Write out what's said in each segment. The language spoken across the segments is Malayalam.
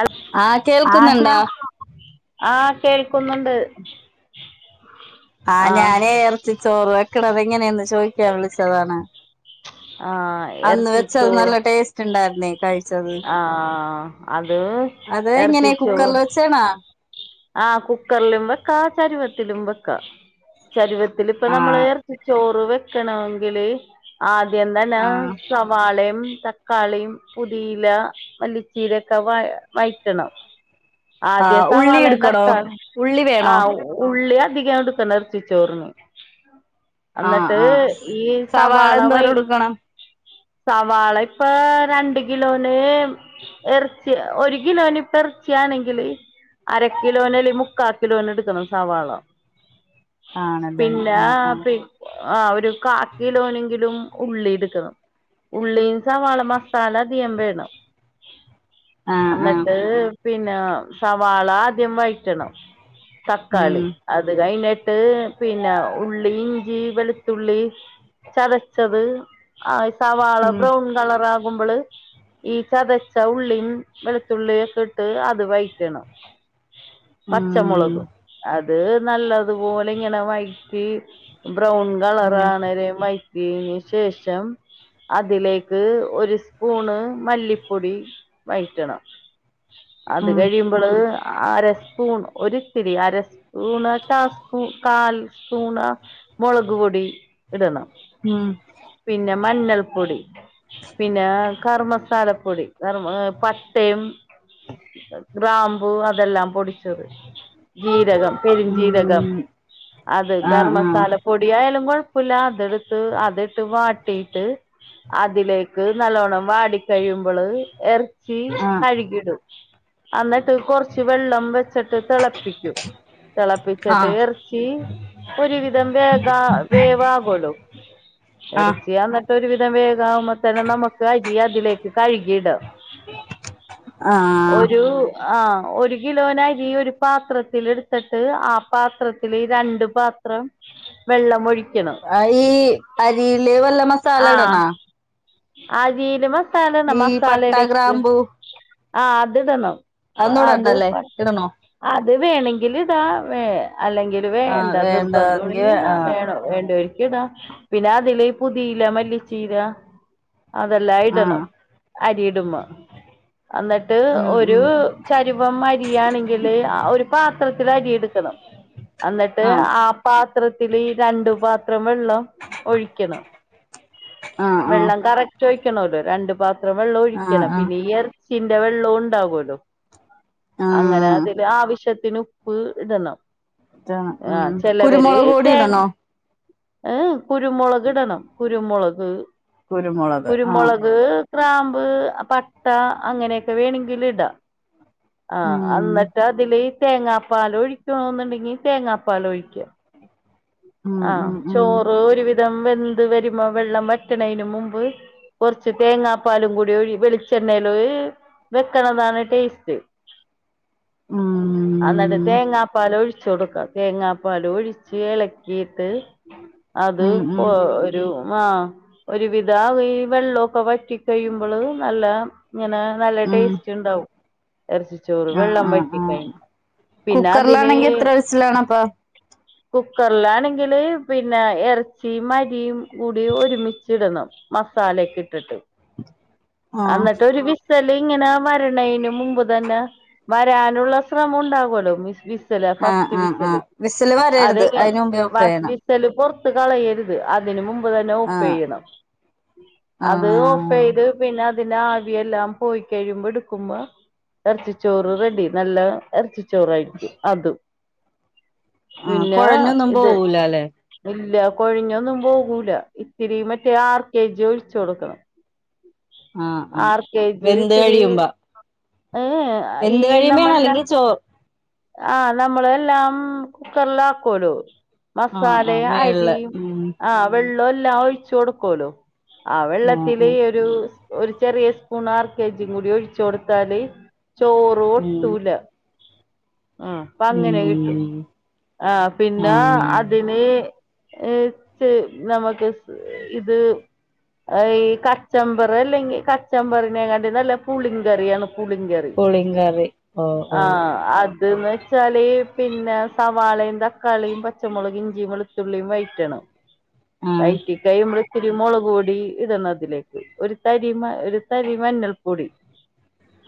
അ ആഹ് ആഹ് കേ കേൾക്കുന്നുണ്ടാ [unintelligible] ആഹ് കേൾക്കുന്നുണ്ട്. ആഹ് ഞാനേയ് എർച്ചി ചോറ് വെക്ക്ണത് എങ്ങനേന്ന് ചോയ്ക്കാൻ വിളിച്ചതാണ്. ആഹ് അന്ന് വെച്ചത് ഇറച്ചിച്ചോറ് നല്ല ടേസ്റ്റ്ണ്ടായിര്ന്നേയ്. ആഹ് അത് അത് എങ്ങനെ കുക്കറിൽ എർച്ചിചോറ് വെച്ചാണാ ആഹ് കുക്കർലും വെക്കാ ചരുവത്തിലും വെക്കാ ചരുവത്തിലിപ്പ ന്നമ്മള് ആഹ് ഏ ചോറ് വെക്കണോങ്കില് ആദ്യം തന്നേ ആഹ് സവാളേം തക്കാളീം പു ചീല മല്ലിച്ചീര ഒക്കെ വ വയ്റ്റണം. ആദ്യേ ആഹ് ഉള്ളി സവാളേം എടുക്കണോ തക്കാ ഉള്ളി വേണോ ആഹ് ഉ ഉള്ളി അധികട്ക്കണം ഏർച്ചി ചോർണ്. എന്ന് ആഹ് വെച്ചാല് ആഹ് ഈ സവാള എന്തോരം വയ് എടുക്കണം സവാള ഇപ്പൊ രണ്ട് കിലോന് ഒര്കി ഒര്കിലോന്പ്പൊ എർച്ചിയാണെങ്കില് അര കിലോന് അല്ലെ മുക്കാകിലോന് എടുക്കണം സവാളാ ആണല്ലേ പിന്നെ ആഹ് ആഹ് പി ആഹ് ഒരു കാക്കിലോനെങ്കിലും ഉള്ളിട്ക്കണം. ഉള്ളിയും സവാളേം മസാല അധികം വേണം ആഹ് ആഹ് ന്ന്ട്ട് പിന്നെ സവാള ആദ്യം വയ്റ്റണം തക്കാളി അത് കയ്ഞ്ട്ട് പിന്നെ ഉള്ളി ഇഞ്ചി വെളുത്തുള്ളി ചതച്ചത് ആഹ് സവാള ഉം ബ്രൗൺ കളർ ആകുമ്പള് ഈ ചതച്ച ഉള്ളീം വെളുത്തുള്ളി ഒക്കെ ഇട്ട് അത് വയ്റ്റണം. ഉം പച്ചമുളകും അത് ത് നല്ലത്പോലെ ഇങ്ങനെ വൈറ്റി ബ്രൗൺ കളറ് ഉം ആണരെ വൈ ശേഷം അതിലേക്ക് ഒരു സ്പൂണ് മല്ലിപ്പൊടി വയ്റ്റണം ഉം അത് കഴിയും [unintelligible] അര സ്പൂൺ ഒരുത്തിരി അരസ്പൂ സൂണാ ടാസ്‌ക്കു കാൽ സൂണ മൊളക് പൊടി. ഇടണം ഉം പിന്നെ മഞ്ഞൾപ്പൊടി പിന്നെ കർ മസാലപ്പൊടി കർ മ പട്ടയും ഗ്രാമ്പു അതെല്ലാം പൊടി ച്ചത് ജീരകം ഉം പെരുംജീരകം ഉം അത് ഗരം ആഹ് മസാല പൊടിയായാലും കൊഴ്പ്പുല്ലാ അതെടുത്ത് അത്ട്ട് വാട്ടീട്ട് അതിലേക്ക് ന്നല്ലോണം വാടി കഴിയുമ്പള് എർച്ചി ആഹ് ആഹ് കഴുകിടും അന്ന് ട്ട് കൊർച്ച് വെള്ളം വെച്ചട്ട് തെളപ്പിക്കും. തെളപ്പിച്ചിട്ട് ആഹ് എർച്ചി ഒരുവിധം വേഗാ വേവാകുള്ളൂ. ആഹ് എർച്ചിയാന്ന് ഒരു വിധം വേവാകുമ്പത്തിന് ന്നമുക്ക് അരി അതിലേക്ക് കഴ്കിടാ. ആഹ് ഒരു ആഹ് ഒരു കിലോന അരി ഒരു പാത്രത്തിൽ എടുത്തിട്ട് ആ പാത്രത്തില് രണ്ട് പാത്രം വെള്ളമൊഴിക്കണം ആ ഈ അരിയിലേ വല്ല മസാല ഇടണാ അടിയില് മസാല ഇടണം ഈ പട്ട മസാലയിലേക്ക് ഗ്രാമ്പൂ ആ അതിടണം അതൊന്നും അത് ഇടണ്ടല്ലേ പട്ട ഇടണോ അത് വേണമെങ്കിൽ ഇതാ വേ അല്ലെങ്കിൽ ആഹ് വേണ്ട വേണ്ടെങ്കി നിർബന്ധുണെങ്കിൽ ഇടാ ആഹ് വേണോ വേണ്ടോരിക്കിടാം പിന്നെ അതില് ഈ പുതീല മല്ലിച്ചീര അതെല്ലാം ആഹ് ഇടണം അരി ഇടുമ്പ അന്നി ട്ട് ഉം ഒരു ഉം ചരുവം അരിയാണെങ്കില് ഒരു പാത്രത്തിൽ അരി എടുക്കണം അന്നിട്ട് ആഹ് ആ പാത്രത്തില് രണ്ടു പാത്രം വെള്ളം ഒഴിക്കണം ആഹ് ആഹ് വെള്ളം കറക്റ്റ് ഒഴിക്കണല്ലോ രണ്ട് പാ അത്ര വെള്ളം ആഹ് ഒഴിക്കണം ആഹ് പിന്നെ ഈ ഇറച്ചിന്റെ വെള്ളം ഉണ്ടാകുല്ലോ അങ്ങനെ ആഹ് അതില് ആവശ്യത്തിന് ഉപ്പ് ഇടണം ഇതാണ് ഉം ആഹ് ചിലവര് കുരുമുളക് പൊടി തേ ഇടണോ ഏഹ് കുരുമുളക് ഇടണം കുരുമുളക് കുരുമുള കുരുമുളക് ക്രാമ്പ് പട്ട അങ്ങനെയൊക്കെ വേണങ്കില് ഇടാം ഉം ആഹ് എന്നിട്ട് അതില് തേങ്ങാപ്പാല് ഒഴിക്കണോന്നുണ്ടെങ്കി തേങ്ങാപ്പാലൊഴിക്ക ഉം ഉം ആഹ് ഉം ചോറ് ഒരുവിധം വെന്ത് വരുമ്പോ വെള്ളം വറ്റണേന് മുമ്പ് കുറച്ച് തേങ്ങാപ്പാലും കൂടി ഒഴി വെളിച്ചെണ്ണേല് വെക്കണതാണ് ടേസ്റ്റ് ഉം അന്നിട്ട് തേങ്ങാപ്പാൽ ഒഴിച്ചു കൊടുക്കാം തേങ്ങാപ്പാൽ ഒഴിച്ച് എള കീട്ട് അത് ഉം ഉം പോ ഒരു ആഹ് ഒരുവിധ ഈ വെള്ളൊക്കെ വറ്റി കഴിയുമ്പള് നല്ല ഇങ്ങനെ നല്ല ഉം ടേസ്റ്റ് ഇണ്ടാവും ഇറച്ചിച്ചോറ് ആഹ് വെള്ളം ആഹ് വറ്റി ആഹ് കഴിഞ്ഞ് പിന്ന അതിന് ട്ടിലാണപ്പ കൊർലാണെങ്കില് പിന്നെ ഇറച്ചിം അരിം കൂടി ഒരുമിച്ചിടണം മസാലക്കെ ഇട്ടിട്ട് ആഹ് എന്നിട്ട് ഒരു വി സല് ഇങ്ങനെ വരണേന് മുമ്പ് തന്നെ വരാനുള്ള ശ്രമം ഉണ്ടാകുല്ലോ വിസ് സല് ആഹ് ഫസ്റ്റ് ആഹ് വിസല് ആഹ് വിസില് വരരുത് അതെങ്ങ അതിന് മുമ്പേ ഓഫ് ഫസ്റ്റ് ചെയ്യണം വിസല് പൊർത്ത കളയരു താ അതിന് മുമ്പ് തന്നെ ഓഫ് ആഹ് ചെയ്യണം അത് ഒ ആഹ് പെയ്ത് പിന്ന അതിന് ആവിയെല്ലാം പോയി കഴിയുമ്പോ എടക്കുമ്പോ എറച്ചി ചോറ് റെഡി നല്ല എറച്ചി ചോറായിരിക്കും അതും ആഹ് പിന്നെ കൊഴഞ്ഞൊന്നും ഇത് പോവുലാല്ലെ ഇല്ല കൊഴിഞ്ഞൊന്നും പോകൂല ഇത്തിരി മറ്റേ ആർ കെ ജി ഒഴിച്ചൊടുക്കണം ആഹ് ആഹ് ആർ കെജി വെന്ത് ഇത്തിരി കഴിയുമ്പോ ഏഹ് ഈ വെന്ത് കഴിയുമ്പോണോ നമ്മൾല്ല അല്ലെങ്കിൽ ചോ ആഹ് നമ്മളെല്ലാം കുക്കറിലാക്കുല്ലോ ആഹ് മസാലേം ആഹ് മേളില് അരിം ഉം ആഹ് വെള്ളം എല്ലാം ഒഴിച്ചൊടുക്കൂലോ ആ ആഹ് വെള്ളത്തില് ആഹ് ഒരു ഒരു ചെറിയ സ്പൂൺ ആർ കെ ജി കൂടി ഒഴിച്ചടുത്താല് ചോറും ഉം ഒട്ടൂല മ് അപ്പ അങ്ങനെ കിട്ടും ഉം ആ പിന്നെ ആ ആഹ് അതിനെ ഏഹ് ച് നമുക്ക് സ് ഇത് ഈ കച്ചമ്പറ് അല്ലെങ്കി കച്ചമ്പറിനെകാട്ടി നല്ലത് പുളിങ്കറിയാണ് പുളിങ്ക റി. പുളിങ്കറി ഓഹ് ഓഹ് ആഹ് അത് ന്ന് വെച്ചാല് പിന്നെ സവാളയും തക്കാളിയും പച്ചമുളക് ഇഞ്ചിയും വെളുത്തുള്ളിയും വഴറ്റണം. ആഹ് വയറ്റി കയ്യുമ്പള് ഇച്ചിരി മുളക് പൊടി ഇടണതിലേക്ക്. ഒരു തരി മ ഒരു തരി മഞ്ഞൾപ്പൊടി.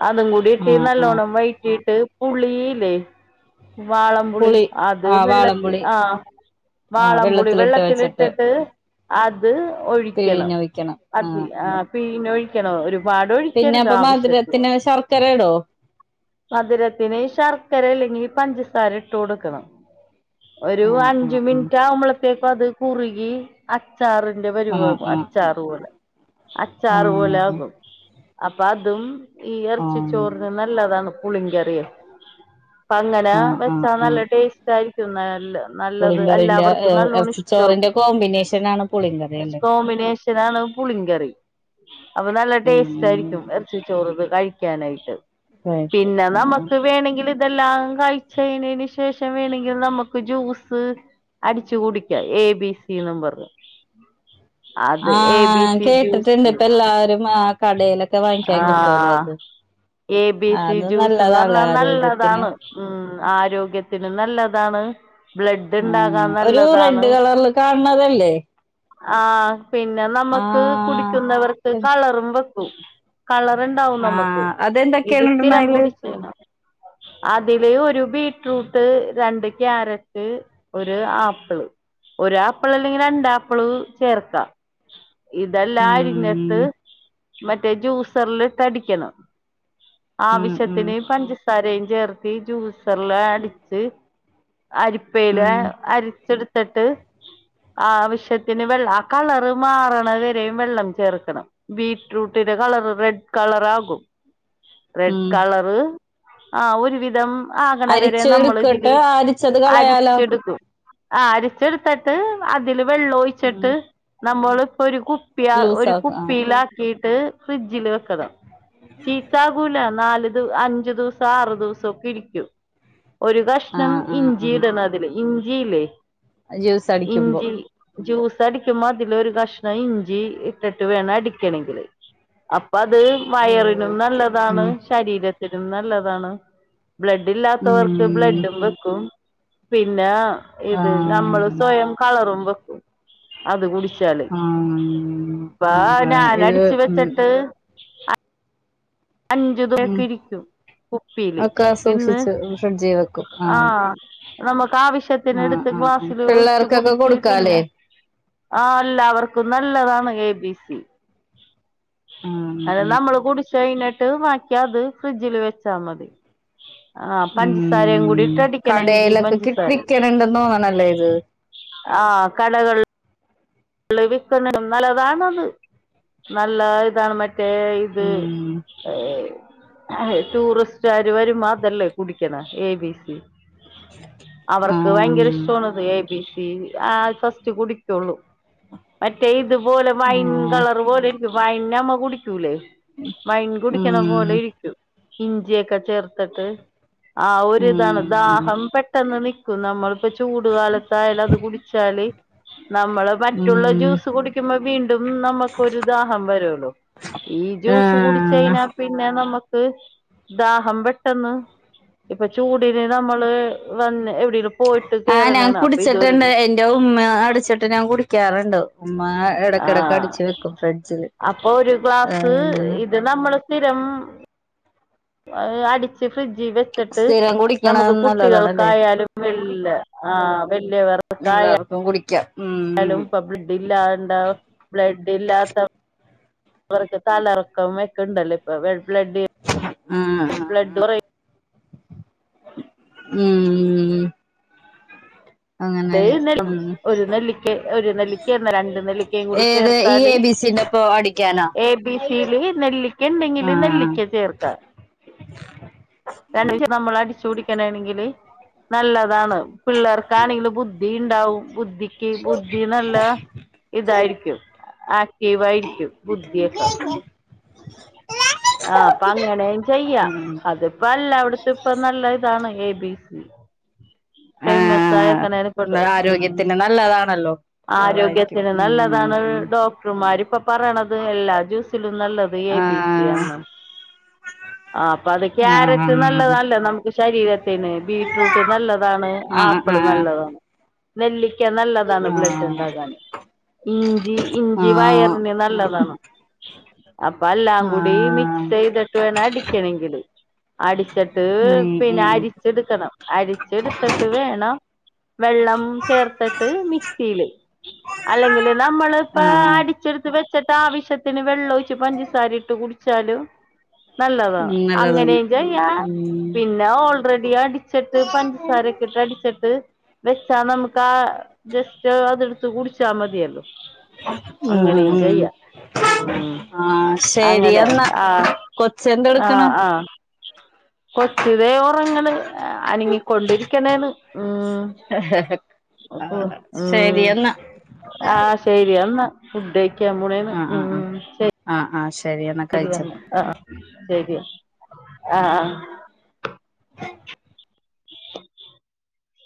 അതും കൂടി ഇട്ടി ആഹ് ആഹ് നല്ലോണ്ണം വയറ്റിയിട്ട്, പുളിയില്ലേ? വാളംപുളി. പുളി അത് ആഹ് വെള്ളത്തി വാളംപുളി ആഹ് ആഹ് വാളംപുളി വെള്ളത്തിലിട്ട് വെച്ചിട്ട് വെള്ളത്തിലിട്ടിട്ട് അത് ഒഴിക്കണം. അതി ആഹ് പീഞ്ഞൊഴിക്കണം. ഒരു പിന്നെ വാടൊഴിക്കരുത് അപ്പൊ ആവശ്യത്തിന്. മധുരത്തിന് ശർക്കര ഇടോ മധുരത്തിന് ശർക്കരയെല്ലെങ്കി പഞ്ചസാര ഇട്ട് കൊടുക്കണം. ഒരു ആഹ് അഞ്ചു ആഹ് ആഹ് മിനിറ്റ് ആവുമ്പളത്തേക്കും അത് കുറുകി അ ച്ചാറിന്റെ ആഹ് പരിവാകും ആഹ് അച്ചാറ് പോലെ ആഹ് അച്ചാറ് പോലെ ആഹ് ആകും. അപ്പ അതും ഈ എറച്ചി ആഹ് ചോറിന് നല്ലതാണ് പുളിങ്കറിയെ. അപ്പങ്ങനെ ആഹ് ആഹ് വെച്ചാ ആഹ് നല്ല ടേസ്റ്റ് ആയിരിക്കുംന്നാല്ല് നല്ലത് പുളിങ്കറിന്റെ എല്ലാവർക്കും നല്ലോണം ഇറച്ചിച്ചോറിന്റെ ഇഷ്ടാകും. കോമ്പിനേഷനാണ് പുളിങ്കറി പക്ഷെ അല്ലേ കോമ്പിനേഷ് ഷനാണ് പുളിങ്കറി. അപ്പം നല്ല ഉം ടേസ്റ്റ്റ്റായിരിക്കും. ച്ചി ചോറ് ത് കഴിക്കാനായിട്ട്. പിന്നെ നമ ഉം ക്ക് വേണങ്കിൽ ഇതെല്ലാം കഴിച്ചയ്ണേന് ശേഷം വേണങ്കിൽ നമുക്ക് ജ്യൂസ് അടിച്ചു കുടിക്ക്യ എ ബി സി ന്നും പറഞ്ഞ്. ഉ ആഹ് ൻ സി കേട്ടിട്ട്ണ്ട് ജ്യൂസ് ഇപ്പ എല്ലാവരും ആഹ് കടയിലൊക്കെ ആ വാങ്ങിക്കാൻ കിട്ടൂലേ അത്. എ ബി സി അത് ജ്യൂസ്ന്ന് നല്ലതാല്ലേ പറഞ്ഞാൽ ആരോഗ്യത്തിന് നല്ലതാണ്. മ്മ്മ് ആരോഗ്യത്തിനും നല്ലതാണ്. ബ്ലഡ്ണ്ടാകാൻ ആഹ് ഒരു നല്ലതാണ്. റെഡ് കളറില് കാണണതല്ലേ ആഹ് പിന്നെ നമ്മക്ക് കുടിക്കുന്നവർക്ക് ആഹ് കളറും വെ ക്കും. കളർണ്ടാവും നമക്ക്. ആഹ് ഇത് അതെന്തൊക്കെയാണ് ഇടണ സ്ഥിരം അയില് കുടിച്ചെയ്ഞ്ഞാ. അതില് ഒരു ബീട്രൂ ട്ട്, രണ്ട് ക്യാരറ്റ്, ഒരു ആപ്പിള്. ഒരു ആപ്പിൾ അല്ലെങ്കി രണ്ടാപ്പിള് ചേർക്കാ. ഇതെല്ലാം അരിഞ്ഞ്ട്ട് ഉം മറ്റേ ജ്യൂസറില് ഇട്ടടിക്കണം. ഉം ഉം ആവശ്യത്തിന് പഞ്ചസാരയും ചേർത്തി ജ്യൂസെർലെ അടി അരിപ്പയില് ഉം അരിച്ചെട്ത്ത്ട്ട് ആവശ്യത്തിന് വെള്ള ആ കളറ് മാറണ വരെയും വെള്ളം ചേർക്കണം. ബീട്രൂട്ട്ന്റെ കളർ റെഡ് കളർ ആകും. റെഡ് ഉം കളറ് ആഹ് ഒരുവിധം ആകണ വരെ നമ്മൾ അരിച്ചെടുക്കട്ട് ഇതില് അരിച്ചത് കളയാലോ അരിച്ചെട്ക്കും. ആഹ് അരിച്ചെടത്തിട്ട് അതില് വെള്ള ഉം ഒഴിച്ചിട്ട് നമ്മള്പ്പൊ ഒരു കു പ്പിയ ലൂസ് ഒരു ആക്കും ആ കുപ്പിയിലാക്കീട്ട് ഫ്രിഡ്ജിൽ വെക്കണം. ചീത്താകൂല. നാല് ദി അഞ്ചു ദിവസം ആറ് ദിവസം ഒക്കെ ഇരിക്കും. ഒരു കഷ്ണം ആ ആ ഇഞ്ചി ആ ഇടണതില്. ഇഞ്ചിയില്ലേ? ജ്യൂസ് അടിക്കുമ്പോ ഇഞ്ചി. ജ്യൂസ് അടിക്കുമ്പ അതില് ഒരു കഷ്ണം ഇഞ്ചി ഇട്ടിട്ട് വേണം അടിക്കണങ്കില്. അപ്പ അത് വയറി നും ഓക്കെ നല്ലതാണ് ഉം ശരീരത്തിനും നല്ലതാണ്. ബ്ലഡ് ഇല്ലാത്തവർ ക്ക് ഉം ബ്ലഡും വെക്കും. പിന്നെ ആ ഇത് നമ്മള് സ്വയം കളറും വെക്കും. അത് കുടിച്ചാല്. ആ ഇപ്പാ ആ ഇത് ഞാനടിച്ച് ഉം വെച്ചിട്ട്, ഉം അഞ്ചുദിവസക്കെ ഇരിക്കും കുപ്പിയില് ഒക്കെ പിന്നെ സൂക്ഷിച്ച് ഫ്രിഡ്ജിൽ വെക്കും ആ ആഹ് നമുക്ക് ആവശ്യത്തിന് ആ എടുത്ത് ആ ഗ്ലാസ്സില് ഒഴിച്ച് പിള്ളേർക്കൊക്കെ കുടിച്ച് കൊടുക്കാലേ പിന്നെ ആ എല്ലാവർക്കും നല്ലതാണ് എ ബി സി ഉം അത് ഉം നമ്മള് കുടിച്ച് കഴിഞ്ഞിട്ട് ബാക്കി അത് ഫ്രിഡ്ജില് വെച്ചാ മതി ആ പഞ്ചസാരയും കൂടി ഉംഹ് ഇട്ട് അടിക്കണം ഇഞ്ചിയും കടേലൊക്കെ കി പഞ്ചസാരയും വിക്ക്ണ ണ്ട് തോന്നണല്ലേ ഇത്? ആഹ് കടകൾ ല് വിക്കുന്ന് നല്ലതാണത് നല്ല ഇതാണ് മറ്റെ മറ്റേ ഇത് ഉം ഏഹ് ടൂറിസ്റ്റ്കാര് വരുമ്പോ അതല്ലേ കുടിക്ക്ണെ എ ബി സി ആ അവർക്ക് ഭയങ്കര ഇഷ്ട്ടവാണത് എ ബി സി ആ ഫസ്റ്റ് കുടിക്കൊള്ളു മറ്റേ ഇതുപോലെ വൈൻ ആ കളർ പോലെ ഇരിക്കും വൈൻ നമ്മ കുടിക്കൂലേ? വൈൻ കുടിക്ക്ണ ഉം പോലെ ഇരിക്കും ഇഞ്ചിയൊക്കെ ചേർത്തിട്ട് ആഹ് ഒരിതാണ് ഉം ദാഹം പെട്ട പെട്ടെന്ന് നിക്കും നമ്മളിപ്പോ ചൂട് കാലത്തായാലും അത് കുടിച്ചാല് നമ്മ മറ്റുള്ള ഉം ജ്യൂസ് കുടിക്കുമ്പോ വീണ്ടും നമ്മക്ക് ഒരു ദാഹം വരോലൊ? ഈ ജ്യൂസ് കുടിച്ച് ആഹ് കഴിഞ്ഞാ പിന്നെ നമ്മക്ക് ദാഹം പെട്ടെന്ന് ഇപ്പം ചൂടിന് നമ്മള് വന്ന് എവിടേലും പോയിട്ട് ആഹ് ഞാൻ കേറ്ണേണ് അപ്പൊ ഇതൊര് കുടിച്ചിട്ടുണ്ട് എന്റെ ഉമ്മ അടിച്ചിട്ട് ഞാൻ കുടിക്കാറുണ്ട് ഉമ്മ ആ എടക്കെടക്ക് അടിച്ചു വെക്കും ഫ്രിഡ്ജില് അപ്പൊ ഒരു ഗ്ലാസ് ഇത് നമ്മള് സ്ഥിരം അടിച്ച് ഫ്രിഡ്ജി വെച്ചിട്ട് സ്ഥിരം നമുക്ക് കുടിക്കണത് നല്ലതാണല്ലേ കുട്ടികൾക്കായാലും വല് ആ വല്യവർക്കായാലും എല്ലാവർക്കും കുടിക്കാം യാലും ഉം ഇപ്പം ബ്ലഡ് ഇല്ലാണ്ട ബ്ലഡ് ഇല്ലാത്ത വർക്ക് തല കറക്കം ഒക്കെയിണ്ടല്ലോ ഇപ്പൊ ബ്ലഡ് ആഹ് ആഹ് ബ്ലഡ് ഉം ഉംഹ് [unintelligible] ഉം ഒരു നെല്ലിക്ക ഒരു നെല്ലിക്ക എന്നാ രണ്ട് നെല്ലിക്കയും കൂടി ഏത് ഈ ചേർത്താല് എ ബി സി ന്റെ ഒപ്പോ അടിക്കാനോ എ ബി സി യില് നെല്ലിക്കണ്ടെങ്കില് ആഹ് നെല്ലിക്ക ചേർക്കം രണ്ടീശം നമ്മള് അടിച്ചു കുടിക്കാനാണെങ്കില് നല്ലതാണ് പിള്ളേർക്കാണെങ്കില് ബുദ്ധി ഇണ്ടാവും ബുദ്ധിക്ക് ബുദ്ധി നല്ല ഇതായിരിക്കും ആക്റ്റീവ് ആയിരിക്കും ബുദ്ധിയൊക്കെ ആഹ് അപ്പൊ അങ്ങനെയും ചെയ്യാ ഉം അതിപ്പ എല്ലാവിടെത്തും ഇപ്പ നല്ല ഇതാണ് എ ബി സി ഫെയ്മസായക്ക ഇമ്മളെ ആരോഗ്യത്തിന് നല്ലതാണല്ലോ അതായിരിക്കും ആരോഗ്യത്തിന് നല്ലതാണ് ഉം ഡോക്ടർമാരിപ്പ പറയണത് എല്ലാ ജ്യൂസിലും നല്ലത് ഇപ്പൊ ആഹ് എബിസിയാന്ന് ആ അപ്പ അത് ആഹ് കാരറ്റ് നല്ലതല്ലേ ശരീരത്തിന് ബീട്രൂട്ട് നല്ലതാണ് ആഹ് ആപ്പിള് ആഹ് നല്ലതാണ് നെല്ലിക്ക നല്ലതാണ് ബ്ലഡ് ആഹ് ഇണ്ടാകാന് ഇഞ്ചി ഇഞ്ചി ആഹ് വയറിന് നല്ലതാണ് അപ്പൊ എല്ലാം കൂടി മിക്സ് ആഹ് ചെയ്തിട്ട് വേണം അടിക്കണങ്കില് അടിച്ചിട്ട് ഉം പിന്നെ ഉം അരിച്ചെടുക്കണം അരിച്ചെടുത്തിട്ട് വേണം വെള്ളം ചേർത്തിട്ട് മിക്സിയില് അല്ലെങ്കില് നമ്മള്പ്പ ആഹ് അടിച്ചെടുത്ത് വെച്ചിട്ട് ആവശ്യത്തിന് വെള്ളം ഒഴി പഞ്ചസാരിയിട്ട് കുടിച്ചാലും ഉം നല്ലതാണ് അങ്ങനെ നല്ലതാണ് ചെയ്യ ഉം പിന്നെ ഞാൻ ഓൾറെടി അടിച്ചിട്ട് പഞ്ചസാരക്കിട്ട് അടിച്ചിട്ട് വെച്ചാ നമുക്ക് ആ ജസ്റ്റ് അതെടുത്ത് കുടിച്ചാ മതിയല്ലോ അങ്ങനെ ഉം ഉം ചെയ്യ ഉം ആഹ് അങ്ങനെ ശരിയന്നാ ആഹ് കൊച്ച് എന്ത്‌ എടുക്കണ് കൊച്ച് ദേ ഒറങ്ണ് അനങ്ങിക്കൊണ്ടിരിക്കണേണ് ആഹ് ശരി എന്നാ ശരിയന്നാ ഫുഡ് കഴിക്കാൻ പോണെണ് ആഹ് ഉം ആഹ് ശ ആഹ് ആഹ് ശ ശരിയന്നാ ആഹ് ശരി ആഹ് ആഹ്